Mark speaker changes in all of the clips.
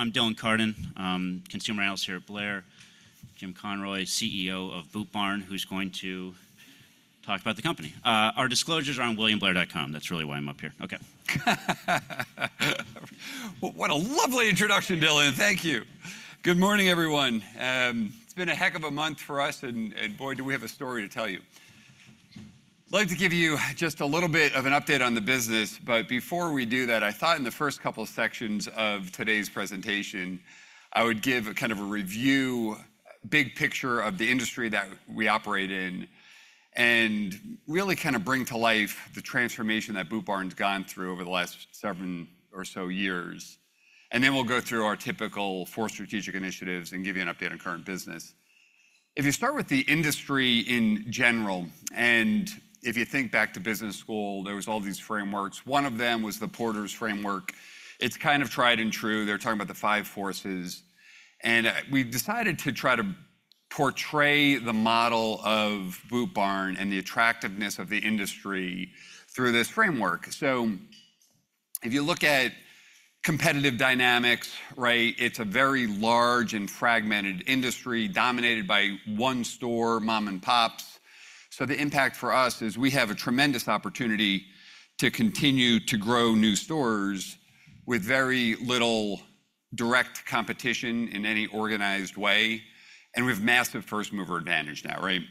Speaker 1: I'm Dylan Carden, consumer analyst here at Blair. Jim Conroy, CEO of Boot Barn, who's going to talk about the company. Our disclosures are on williamblair.com. That's really why I'm up here. Okay.
Speaker 2: What a lovely introduction, Dylan. Thank you. Good morning, everyone. It's been a heck of a month for us, and boy, do we have a story to tell you. I'd like to give you just a little bit of an update on the business, but before we do that, I thought in the first couple of sections of today's presentation, I would give kind of a review, big picture of the industry that we operate in, and really kind of bring to life the transformation that Boot Barn's gone through over the last seven or so years. Then we'll go through our typical four strategic initiatives and give you an update on current business. If you start with the industry in general, and if you think back to business school, there were all these frameworks. One of them was the Porter's framework. It's kind of tried and true. They're talking about the five forces. We decided to try to portray the model of Boot Barn and the attractiveness of the industry through this framework. If you look at competitive dynamics, right, it's a very large and fragmented industry dominated by one-store mom-and-pops. The impact for us is we have a tremendous opportunity to continue to grow new stores with very little direct competition in any organized way. We have massive first-mover advantage now, right?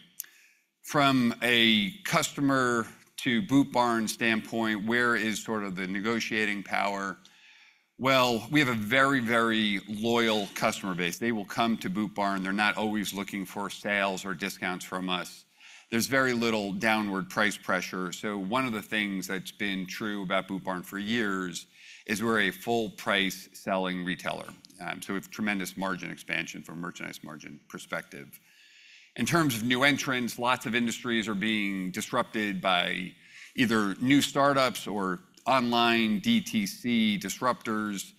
Speaker 2: From a customer-to-Boot Barn standpoint, where is sort of the negotiating power? Well, we have a very, very loyal customer base. They will come to Boot Barn. They're not always looking for sales or discounts from us. There's very little downward price pressure. One of the things that's been true about Boot Barn for years is we're a full-price selling retailer. So we have tremendous margin expansion from a merchandise margin perspective. In terms of new entrants, lots of industries are being disrupted by either new startups or online DTC disruptors.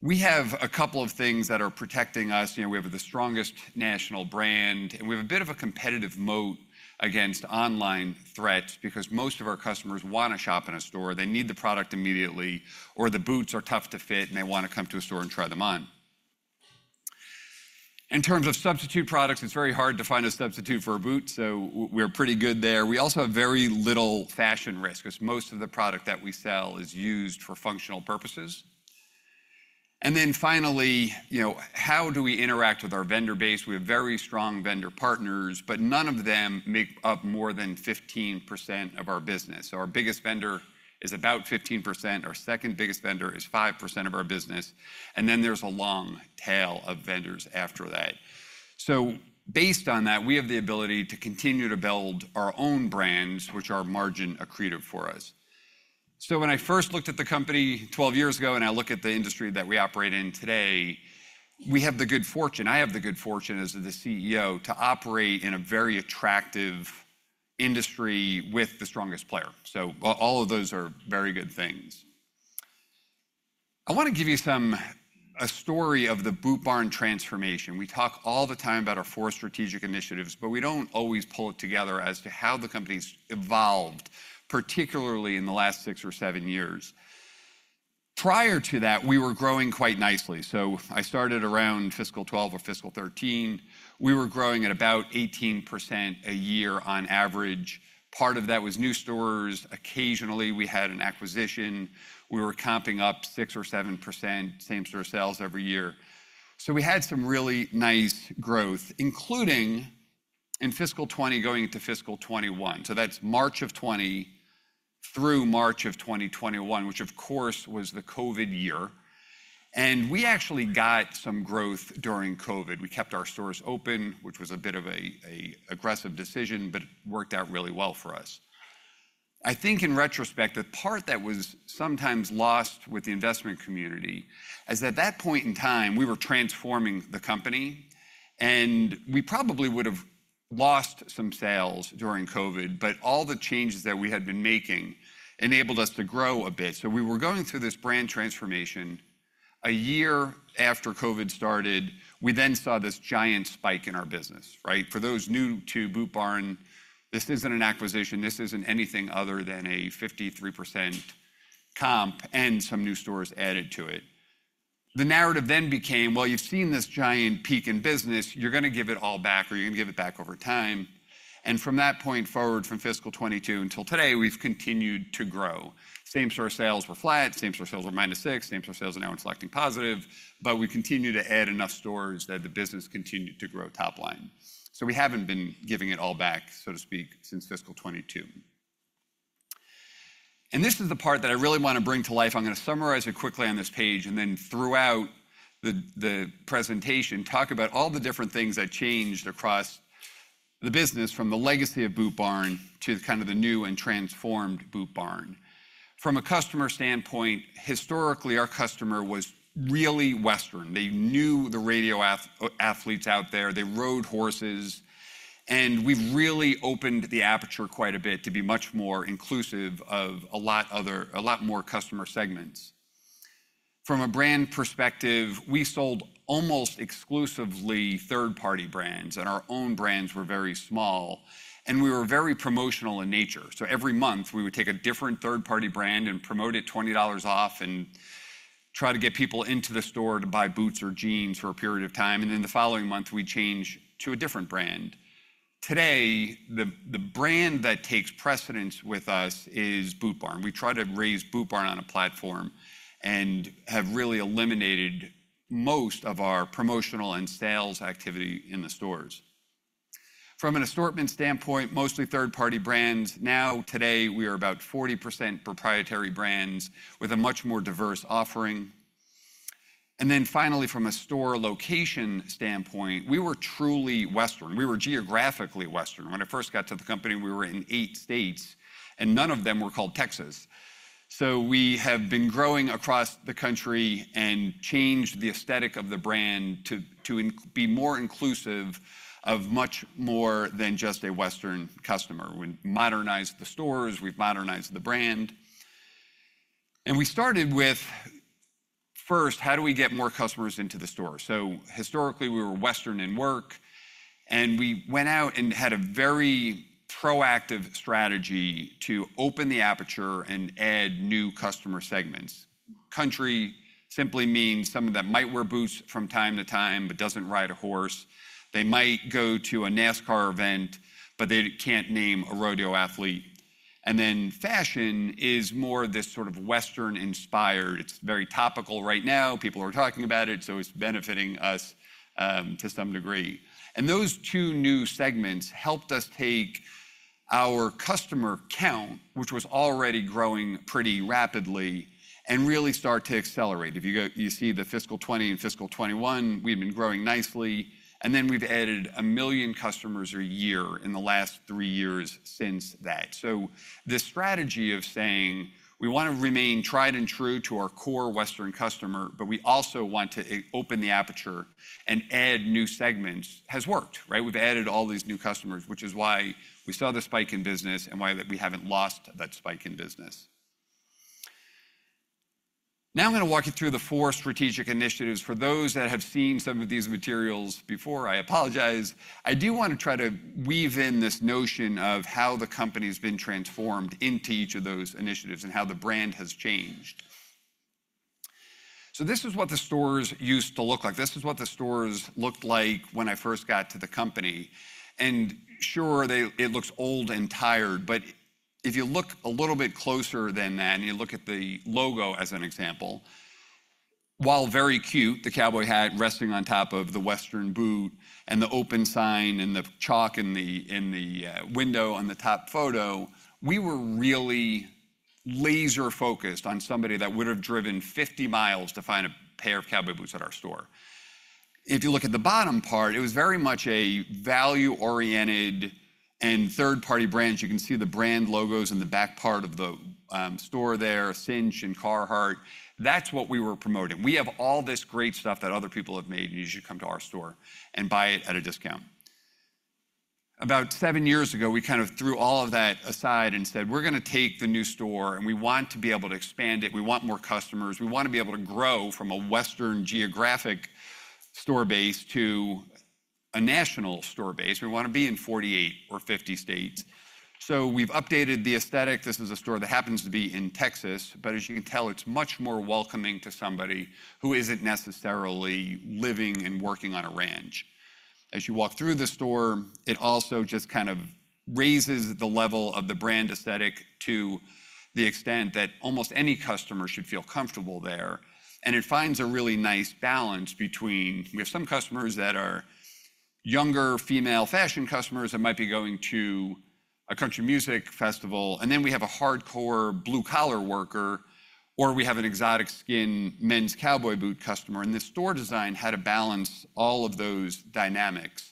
Speaker 2: We have a couple of things that are protecting us. We have the strongest national brand, and we have a bit of a competitive moat against online threats because most of our customers want to shop in a store. They need the product immediately, or the boots are tough to fit, and they want to come to a store and try them on. In terms of substitute products, it's very hard to find a substitute for a boot, so we're pretty good there. We also have very little fashion risk because most of the product that we sell is used for functional purposes. And then finally, how do we interact with our vendor base? We have very strong vendor partners, but none of them make up more than 15% of our business. So our biggest vendor is about 15%. Our second biggest vendor is 5% of our business. And then there's a long tail of vendors after that. So based on that, we have the ability to continue to build our own brands, which are margin accretive for us. So when I first looked at the company 12 years ago and I look at the industry that we operate in today, we have the good fortune. I have the good fortune as the CEO to operate in a very attractive industry with the strongest player. So all of those are very good things. I want to give you a story of the Boot Barn transformation. We talk all the time about our four strategic initiatives, but we don't always pull it together as to how the company's evolved, particularly in the last six or seven years. Prior to that, we were growing quite nicely. So I started around fiscal 2012 or fiscal 2013. We were growing at about 18% a year on average. Part of that was new stores. Occasionally, we had an acquisition. We were comping up 6% or 7%, same-store sales every year. So we had some really nice growth, including in fiscal 2020 going into fiscal 2021. So that's March of 2020 through March of 2021, which, of course, was the COVID year. And we actually got some growth during COVID. We kept our stores open, which was a bit of an aggressive decision, but it worked out really well for us. I think in retrospect, the part that was sometimes lost with the investment community is at that point in time, we were transforming the company, and we probably would have lost some sales during COVID, but all the changes that we had been making enabled us to grow a bit. So we were going through this brand transformation. A year after COVID started, we then saw this giant spike in our business, right? For those new to Boot Barn, this isn't an acquisition. This isn't anything other than a 53% comp and some new stores added to it. The narrative then became, well, you've seen this giant peak in business. You're going to give it all back, or you're going to give it back over time. And from that point forward, from fiscal 2022 until today, we've continued to grow. Same-store sales were flat. Same-store sales were -6%. Same-store sales are now inflecting positive. But we continue to add enough stores that the business continued to grow top line. So we haven't been giving it all back, so to speak, since fiscal 2022. And this is the part that I really want to bring to life. I'm going to summarize it quickly on this page and then throughout the presentation talk about all the different things that changed across the business from the legacy of Boot Barn to kind of the new and transformed Boot Barn. From a customer standpoint, historically, our customer was really Western. They knew the rodeo athletes out there. They rode horses. And we've really opened the aperture quite a bit to be much more inclusive of a lot more customer segments. From a brand perspective, we sold almost exclusively third-party brands, and our own brands were very small. We were very promotional in nature. So every month, we would take a different third-party brand and promote it $20 off and try to get people into the store to buy boots or jeans for a period of time. And then the following month, we change to a different brand. Today, the brand that takes precedence with us is Boot Barn. We try to raise Boot Barn on a platform and have really eliminated most of our promotional and sales activity in the stores. From an assortment standpoint, mostly third-party brands. Now, today, we are about 40% proprietary brands with a much more diverse offering. And then finally, from a store location standpoint, we were truly Western. We were geographically Western. When I first got to the company, we were in eight states, and none of them were called Texas. So we have been growing across the country and changed the aesthetic of the brand to be more inclusive of much more than just a Western customer. We've modernized the stores. We've modernized the brand. And we started with, first, how do we get more customers into the store? So historically, we were Western and Work. And we went out and had a very proactive strategy to open the aperture and add new customer segments. Country simply means someone that might wear boots from time to time but doesn't ride a horse. They might go to a NASCAR event, but they can't name a rodeo athlete. And then fashion is more this sort of Western-inspired. It's very topical right now. People are talking about it, so it's benefiting us to some degree. And those two new segments helped us take our customer count, which was already growing pretty rapidly, and really start to accelerate. If you see the fiscal 2020 and fiscal 2021, we've been growing nicely. And then we've added million customers a year in the last three years since that. So the strategy of saying, we want to remain tried and true to our core Western customer, but we also want to open the aperture and add new segments has worked, right? We've added all these new customers, which is why we saw the spike in business and why we haven't lost that spike in business. Now I'm going to walk you through the four strategic initiatives. For those that have seen some of these materials before, I apologize. I do want to try to weave in this notion of how the company has been transformed into each of those initiatives and how the brand has changed. So this is what the stores used to look like. This is what the stores looked like when I first got to the company. And sure, it looks old and tired, but if you look a little bit closer than that and you look at the logo as an example, while very cute, the cowboy hat resting on top of the Western boot and the open sign and the chalk in the window on the top photo, we were really laser-focused on somebody that would have driven 50 miles to find a pair of cowboy boots at our store. If you look at the bottom part, it was very much a value-oriented and third-party brand. You can see the brand logos in the back part of the store there, Cinch and Carhartt. That's what we were promoting. We have all this great stuff that other people have made, and you should come to our store and buy it at a discount. About seven years ago, we kind of threw all of that aside and said, we're going to take the new store, and we want to be able to expand it. We want more customers. We want to be able to grow from a Western geographic store base to a national store base. We want to be in 48 or 50 states. So we've updated the aesthetic. This is a store that happens to be in Texas, but as you can tell, it's much more welcoming to somebody who isn't necessarily living and working on a ranch. As you walk through the store, it also just kind of raises the level of the brand aesthetic to the extent that almost any customer should feel comfortable there. It finds a really nice balance between we have some customers that are younger female fashion customers that might be going to a country music festival, and then we have a hardcore blue-collar worker, or we have an exotic-skin men's cowboy boot customer. This store design had to balance all of those dynamics.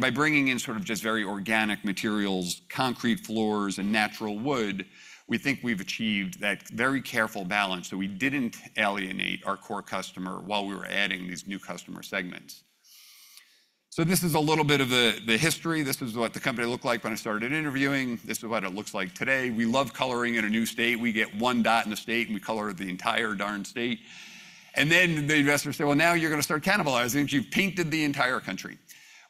Speaker 2: By bringing in sort of just very organic materials, concrete floors, and natural wood, we think we've achieved that very careful balance. We didn't alienate our core customer while we were adding these new customer segments. This is a little bit of the history. This is what the company looked like when I started interviewing. This is what it looks like today. We love coloring in a new state. We get one dot in the state, and we color the entire darn state. And then the investors say, well, now you're going to start cannibalizing because you've painted the entire country.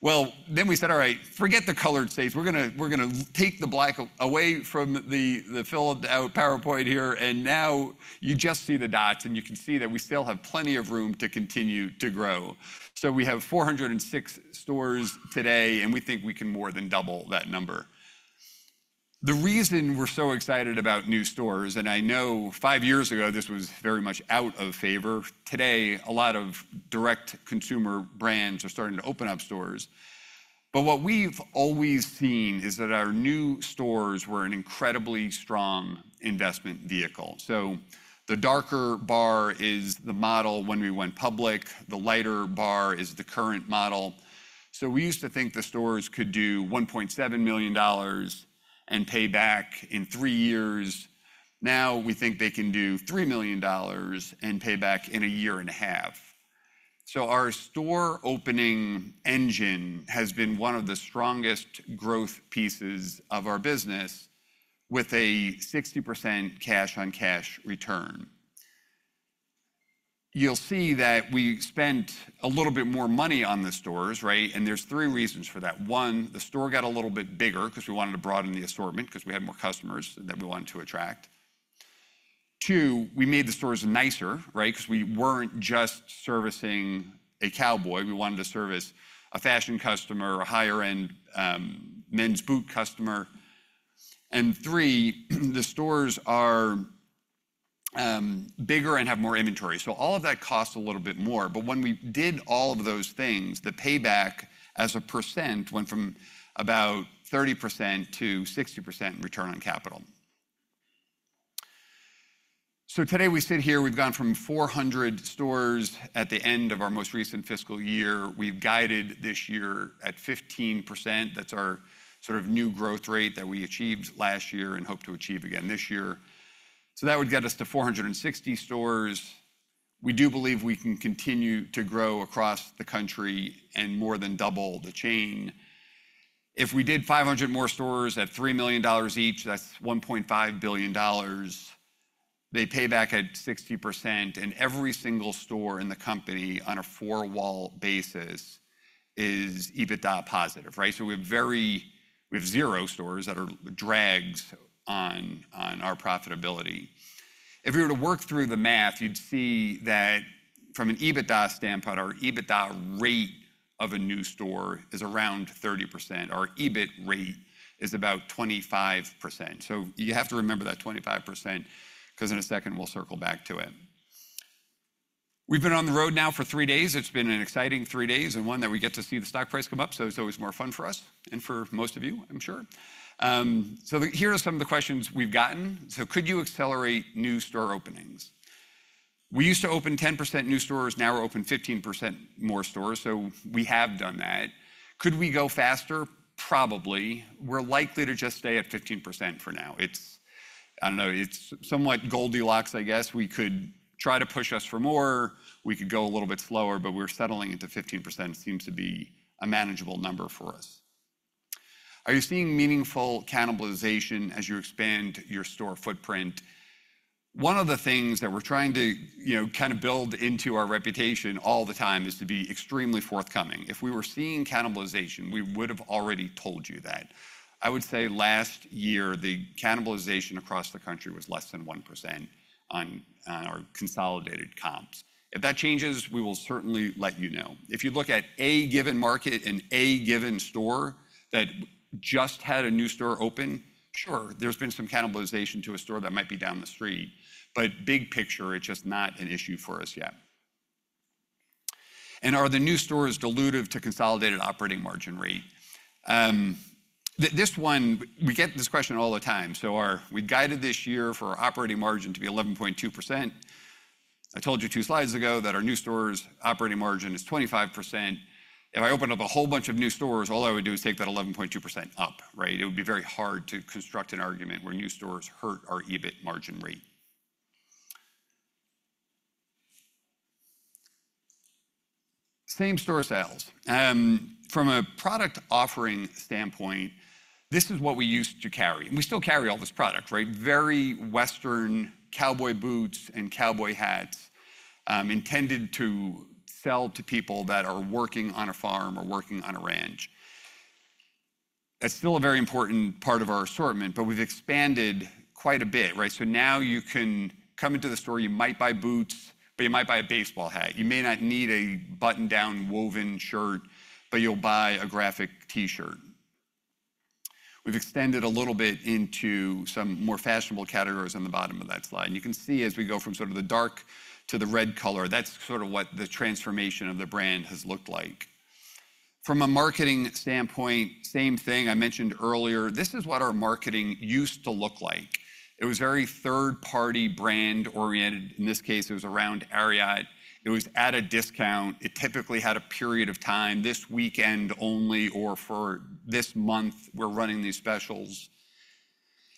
Speaker 2: Well, then we said, all right, forget the colored states. We're going to take the black away from the filled-out PowerPoint here. And now you just see the dots, and you can see that we still have plenty of room to continue to grow. So we have 406 stores today, and we think we can more than double that number. The reason we're so excited about new stores, and I know five years ago, this was very much out of favor. Today, a lot of direct consumer brands are starting to open up stores. But what we've always seen is that our new stores were an incredibly strong investment vehicle. So the darker bar is the model when we went public. The lighter bar is the current model. So we used to think the stores could do $1.7 million and pay back in three years. Now we think they can do $3 million and pay back in a year and a half. So our store opening engine has been one of the strongest growth pieces of our business with a 60% cash-on-cash return. You'll see that we spent a little bit more money on the stores, right? And there's three reasons for that. one, the store got a little bit bigger because we wanted to broaden the assortment because we had more customers that we wanted to attract. Two, we made the stores nicer, right? Because we weren't just servicing a cowboy. We wanted to service a fashion customer, a higher-end men's boot customer. Three, the stores are bigger and have more inventory. All of that costs a little bit more. When we did all of those things, the payback as a percent went from about 30%-60% return on capital. Today we sit here. We've gone from 400 stores at the end of our most recent fiscal year. We've guided this year at 15%. That's our sort of new growth rate that we achieved last year and hope to achieve again this year. That would get us to 460 stores. We do believe we can continue to grow across the country and more than double the chain. If we did 500 more stores at $3 million each, that's $1.5 billion. They pay back at 60%. Every single store in the company on a four-wall basis is EBITDA positive, right? So we have zero stores that are drags on our profitability. If you were to work through the math, you'd see that from an EBITDA standpoint, our EBITDA rate of a new store is around 30%. Our EBIT rate is about 25%. So you have to remember that 25% because in a second, we'll circle back to it. We've been on the road now for three days. It's been an exciting three days and one that we get to see the stock price come up. So it's always more fun for us and for most of you, I'm sure. So here are some of the questions we've gotten. So could you accelerate new store openings? We used to open 10% new stores. Now we're open 15% more stores. So we have done that. Could we go faster? Probably. We're likely to just stay at 15% for now. I don't know. It's somewhat Goldilocks, I guess. We could try to push us for more. We could go a little bit slower, but we're settling into 15%. It seems to be a manageable number for us. Are you seeing meaningful cannibalization as you expand your store footprint? One of the things that we're trying to kind of build into our reputation all the time is to be extremely forthcoming. If we were seeing cannibalization, we would have already told you that. I would say last year, the cannibalization across the country was less than 1% on our consolidated comps. If that changes, we will certainly let you know. If you look at a given market and a given store that just had a new store open, sure, there's been some cannibalization to a store that might be down the street. But big picture, it's just not an issue for us yet. Are the new stores dilutive to consolidated operating margin rate? This one, we get this question all the time. So we've guided this year for our operating margin to be 11.2%. I told you two slides ago that our new stores' operating margin is 25%. If I opened up a whole bunch of new stores, all I would do is take that 11.2% up, right? It would be very hard to construct an argument where new stores hurt our EBIT margin rate. Same store sales. From a product offering standpoint, this is what we used to carry. We still carry all this product, right? Very Western cowboy boots and cowboy hats intended to sell to people that are working on a farm or working on a ranch. That's still a very important part of our assortment, but we've expanded quite a bit, right? So now you can come into the store. You might buy boots, but you might buy a baseball hat. You may not need a button-down woven shirt, but you'll buy a graphic T-shirt. We've extended a little bit into some more fashionable categories on the bottom of that slide. And you can see as we go from sort of the dark to the red color, that's sort of what the transformation of the brand has looked like. From a marketing standpoint, same thing I mentioned earlier. This is what our marketing used to look like. It was very third-party brand-oriented. In this case, it was around Ariat. It was at a discount. It typically had a period of time. This weekend only or for this month, we're running these specials.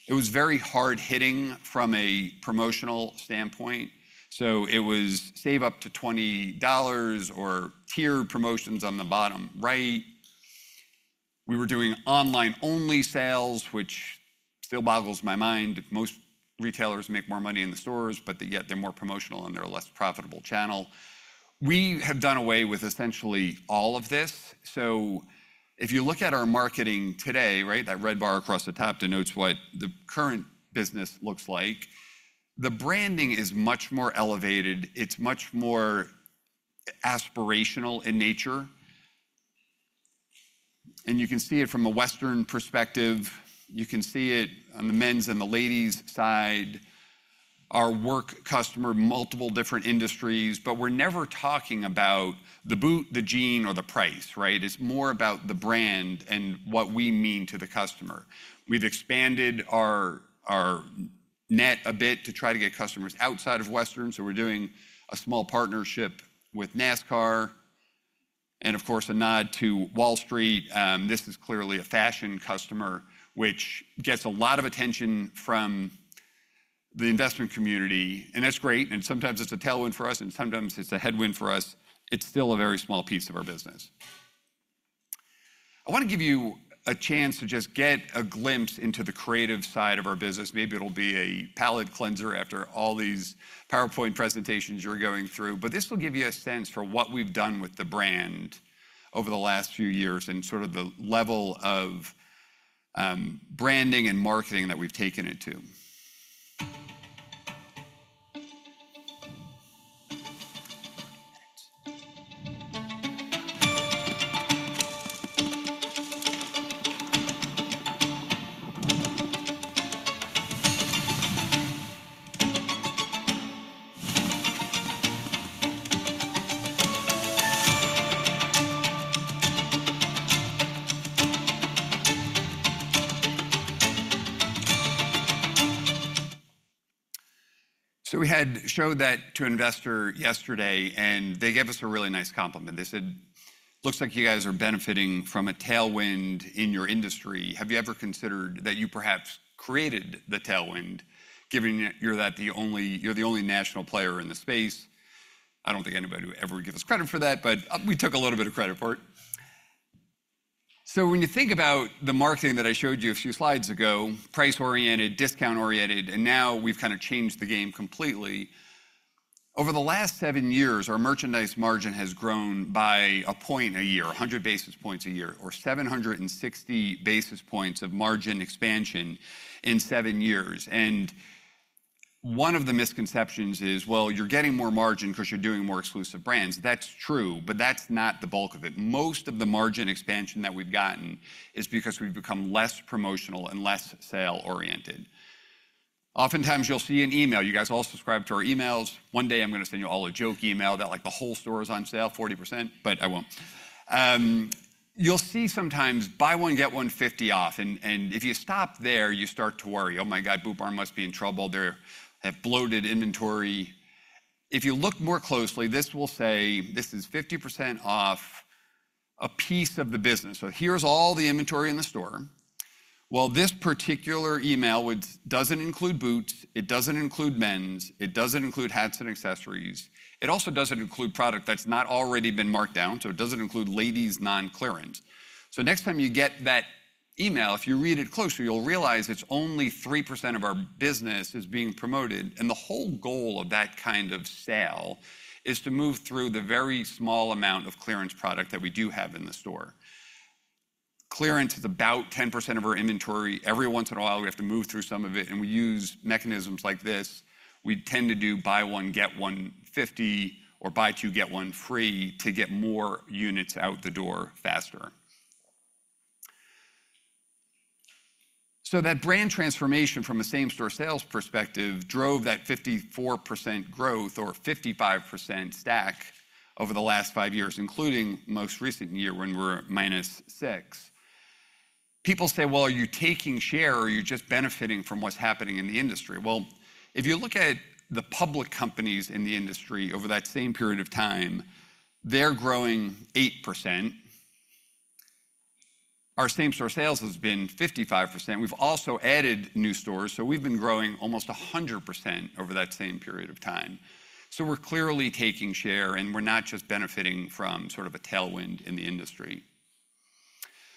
Speaker 2: It was very hard-hitting from a promotional standpoint. So it was "save up to $20" or tiered promotions on the bottom right. We were doing online-only sales, which still boggles my mind. Most retailers make more money in the stores, but yet they're more promotional and they're a less profitable channel. We have done away with essentially all of this. So if you look at our marketing today, right, that red bar across the top denotes what the current business looks like. The branding is much more elevated. It's much more aspirational in nature. And you can see it from a Western perspective. You can see it on the men's and the ladies' side. Our work customer multiple different industries, but we're never talking about the boot, the jean, or the price, right? It's more about the brand and what we mean to the customer. We've expanded our net a bit to try to get customers outside of Western. So we're doing a small partnership with NASCAR. And of course, a nod to Wall Street. This is clearly a fashion customer, which gets a lot of attention from the investment community. And that's great. And sometimes it's a tailwind for us, and sometimes it's a headwind for us. It's still a very small piece of our business. I want to give you a chance to just get a glimpse into the creative side of our business. Maybe it'll be a palate cleanser after all these PowerPoint presentations you're going through, but this will give you a sense for what we've done with the brand over the last few years and sort of the level of branding and marketing that we've taken it to. So we had showed that to an investor yesterday, and they gave us a really nice compliment. They said, "Looks like you guys are benefiting from a tailwind in your industry. Have you ever considered that you perhaps created the tailwind, given that you're the only national player in the space?" I don't think anybody would ever give us credit for that, but we took a little bit of credit for it. So when you think about the marketing that I showed you a few slides ago, price-oriented, discount-oriented, and now we've kind of changed the game completely. Over the last seven years, our merchandise margin has grown by 1 point a year, 100 basis points a year, or 760 basis points of margin expansion in seven years. And one of the misconceptions is, well, you're getting more margin because you're doing more exclusive brands. That's true, but that's not the bulk of it. Most of the margin expansion that we've gotten is because we've become less promotional and less sale-oriented. Oftentimes, you'll see an email. You guys all subscribe to our emails. One day, I'm going to send you all a joke email that like the whole store is on sale, 40%, but I won't. You'll see sometimes buy one, get one 50% off. And if you stop there, you start to worry, "Oh my God, Boot Barn must be in trouble. They have bloated inventory." If you look more closely, this will say, "This is 50% off a piece of the business." So here's all the inventory in the store. Well, this particular email doesn't include boots. It doesn't include men's. It doesn't include hats and accessories. It also doesn't include product that's not already been marked down. So it doesn't include ladies' non-clearance. So next time you get that email, if you read it closely, you'll realize it's only 3% of our business that is being promoted. And the whole goal of that kind of sale is to move through the very small amount of clearance product that we do have in the store. Clearance is about 10% of our inventory. Every once in a while, we have to move through some of it. And we use mechanisms like this. We tend to do buy one, get one 50 or buy two, get one free to get more units out the door faster. So that brand transformation from a same-store sales perspective drove that 54% growth or 55% stack over the last five years, including most recent year when we were -6%. People say, "Well, are you taking share or are you just benefiting from what's happening in the industry?" Well, if you look at the public companies in the industry over that same period of time, they're growing 8%. Our same-store sales has been 55%. We've also added new stores. So we've been growing almost 100% over that same period of time. So we're clearly taking share, and we're not just benefiting from sort of a tailwind in the industry.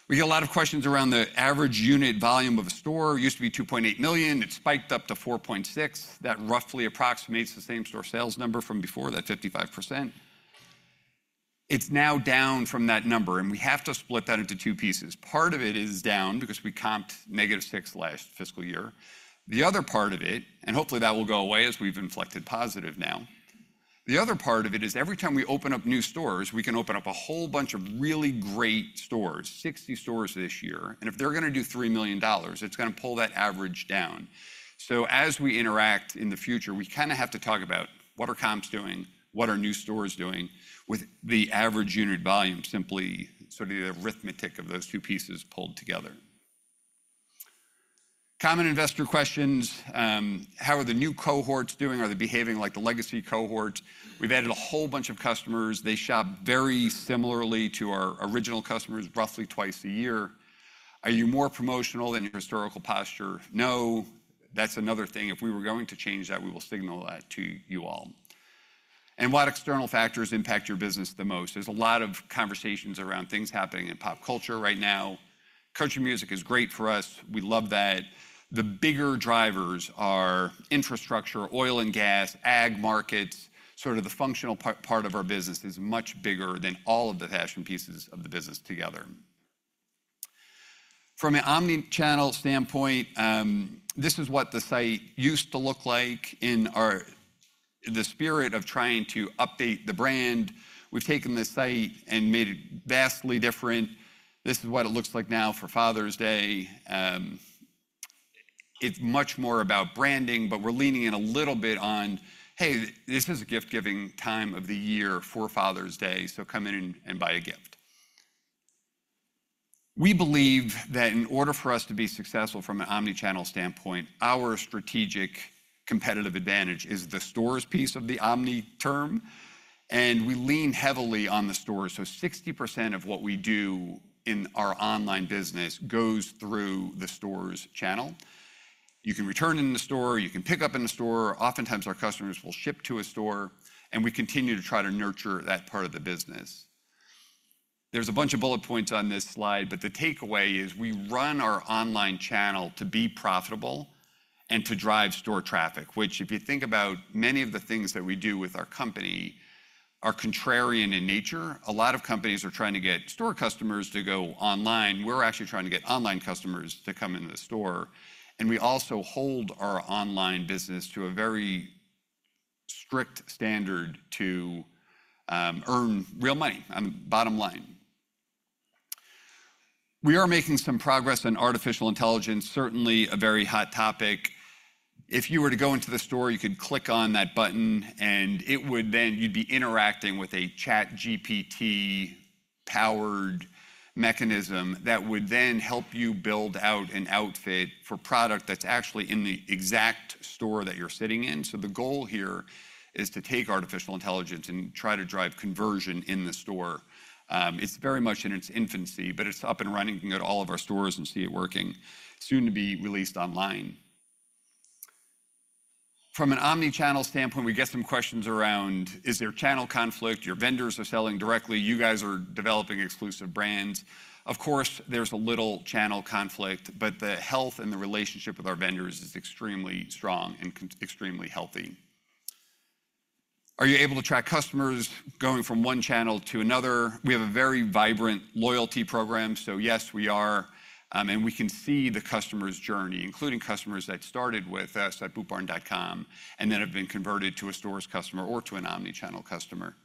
Speaker 2: We get a lot of questions around the average unit volume of a store. It used to be $2.8 million. It spiked up to $4.6 million. That roughly approximates the same-store sales number from before, that 55%. It's now down from that number, and we have to split that into two pieces. Part of it is down because we comped -6% last fiscal year. The other part of it, and hopefully that will go away as we've inflected positive now. The other part of it is every time we open up new stores, we can open up a whole bunch of really great stores, 60 stores this year. And if they're going to do $3 million, it's going to pull that average down. So as we interact in the future, we kind of have to talk about what are comps doing, what are new stores doing with the average unit volume, simply sort of the arithmetic of those two pieces pulled together. Common investor questions. How are the new cohorts doing? Are they behaving like the legacy cohorts? We've added a whole bunch of customers. They shop very similarly to our original customers, roughly twice a year. Are you more promotional than your historical posture? No. That's another thing. If we were going to change that, we will signal that to you all. What external factors impact your business the most? There's a lot of conversations around things happening in pop culture right now. Country music is great for us. We love that. The bigger drivers are infrastructure, oil and gas, ag markets. Sort of the functional part of our business is much bigger than all of the fashion pieces of the business together. From an omnichannel standpoint, this is what the site used to look like in the spirit of trying to update the brand. We've taken the site and made it vastly different. This is what it looks like now for Father's Day. It's much more about branding, but we're leaning in a little bit on, "Hey, this is a gift-giving time of the year for Father's Day. So come in and buy a gift." We believe that in order for us to be successful from an omnichannel standpoint, our strategic competitive advantage is the stores piece of the omni term. And we lean heavily on the stores. So 60% of what we do in our online business goes through the stores channel. You can return in the store. You can pick up in the store. Oftentimes, our customers will ship to a store. And we continue to try to nurture that part of the business. There's a bunch of bullet points on this slide, but the takeaway is we run our online channel to be profitable and to drive store traffic, which if you think about many of the things that we do with our company are contrarian in nature. A lot of companies are trying to get store customers to go online. We're actually trying to get online customers to come into the store. And we also hold our online business to a very strict standard to earn real money, bottom line. We are making some progress on artificial intelligence, certainly a very hot topic. If you were to go into the store, you could click on that button, and then you'd be interacting with a ChatGPT-powered mechanism that would then help you build out an outfit for product that's actually in the exact store that you're sitting in. So the goal here is to take artificial intelligence and try to drive conversion in the store. It's very much in its infancy, but it's up and running. You can go to all of our stores and see it working soon to be released online. From an omnichannel standpoint, we get some questions around, "Is there channel conflict? Your vendors are selling directly. You guys are developing exclusive brands." Of course, there's a little channel conflict, but the health and the relationship with our vendors is extremely strong and extremely healthy. Are you able to track customers going from one channel to another? We have a very vibrant loyalty program. So yes, we are. And we can see the customer's journey, including customers that started with us at bootbarn.com and then have been converted to a stores customer or to an omnichannel customer.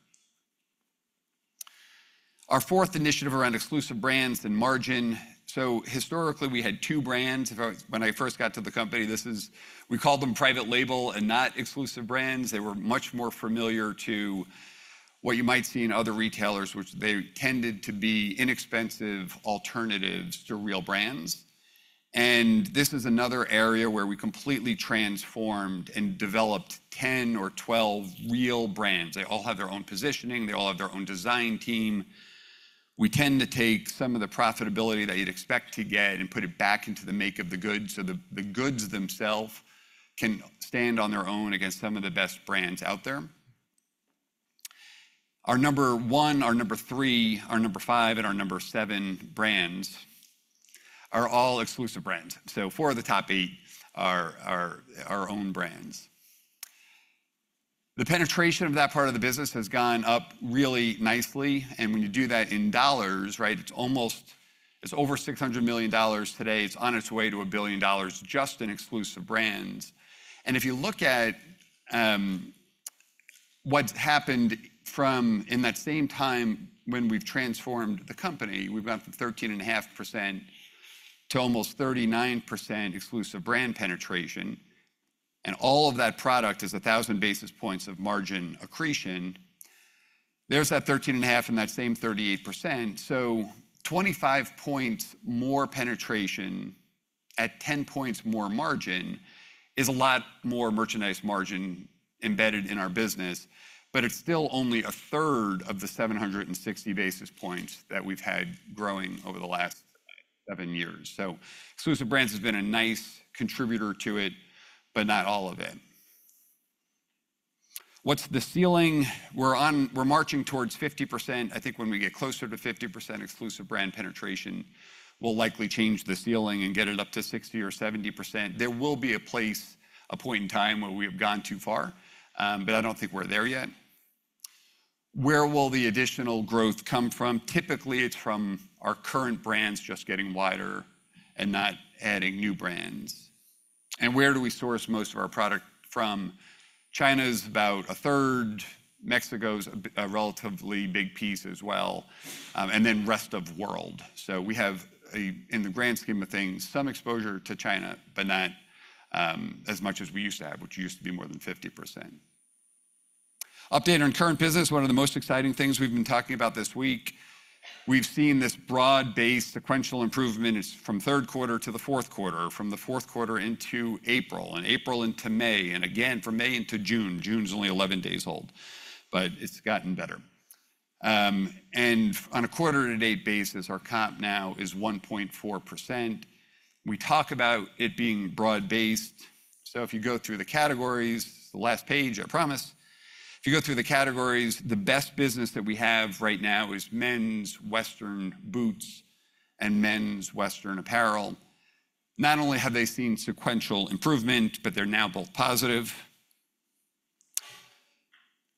Speaker 2: Our fourth initiative around exclusive brands and margin. So historically, we had two brands. When I first got to the company, we called them private label and not exclusive brands. They were much more familiar to what you might see in other retailers, which they tended to be inexpensive alternatives to real brands. And this is another area where we completely transformed and developed 10 or 12 real brands. They all have their own positioning. They all have their own design team. We tend to take some of the profitability that you'd expect to get and put it back into the make of the goods so the goods themselves can stand on their own against some of the best brands out there. Our number one, our number three, our number five, and our number seven brands are all exclusive brands. So four of the top eight are our own brands. The penetration of that part of the business has gone up really nicely. And when you do that in dollars, right, it's over $600 million today. It's on its way to $1 billion just in exclusive brands. And if you look at what's happened in that same time when we've transformed the company, we've gone from 13.5% to almost 39% exclusive brand penetration. All of that product is 1,000 basis points of margin accretion. There's that 13.5% and that same 38%. So 25 points more penetration at 10 points more margin is a lot more merchandise margin embedded in our business, but it's still only a third of the 760 basis points that we've had growing over the last seven years. So exclusive brands have been a nice contributor to it, but not all of it. What's the ceiling? We're marching towards 50%. I think when we get closer to 50%, exclusive brand penetration will likely change the ceiling and get it up to 60 or 70%. There will be a place, a point in time where we have gone too far, but I don't think we're there yet. Where will the additional growth come from? Typically, it's from our current brands just getting wider and not adding new brands. Where do we source most of our product from? China's about a third. Mexico's a relatively big piece as well. Then rest of world. So we have, in the grand scheme of things, some exposure to China, but not as much as we used to have, which used to be more than 50%. Update on current business. One of the most exciting things we've been talking about this week. We've seen this broad-based sequential improvement from third quarter to the fourth quarter, from the fourth quarter into April, and April into May, and again from May into June. June's only 11 days old, but it's gotten better. On a quarter-to-date basis, our comp now is 1.4%. We talk about it being broad-based. So if you go through the categories, the last page, I promise. If you go through the categories, the best business that we have right now is men's Western boots and men's Western apparel. Not only have they seen sequential improvement, but they're now both positive.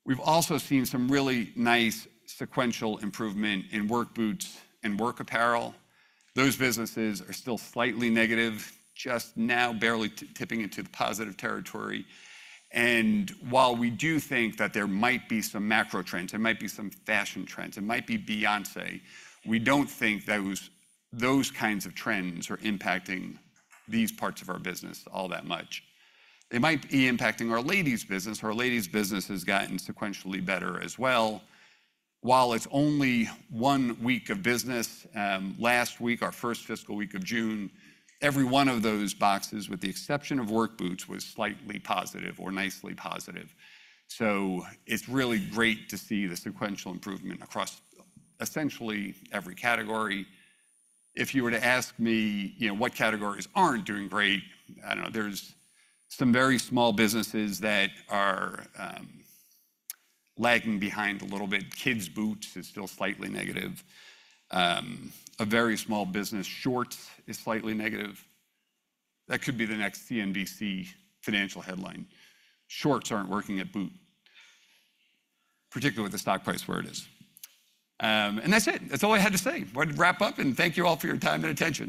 Speaker 2: We've also seen some really nice sequential improvement in work boots and work apparel. Those businesses are still slightly negative, just now barely tipping into the positive territory. And while we do think that there might be some macro trends, there might be some fashion trends, it might be Beyoncé, we don't think those kinds of trends are impacting these parts of our business all that much. They might be impacting our ladies' business. Our ladies' business has gotten sequentially better as well. While it's only one week of business, last week, our first fiscal week of June, every one of those boxes, with the exception of work boots, was slightly positive or nicely positive. It's really great to see the sequential improvement across essentially every category. If you were to ask me what categories aren't doing great, I don't know. There's some very small businesses that are lagging behind a little bit. Kids' boots is still slightly negative. A very small business, shorts, is slightly negative. That could be the next CNBC financial headline. Shorts aren't working at Boot, particularly with the stock price where it is. That's it. That's all I had to say. Wanted to wrap up and thank you all for your time and attention.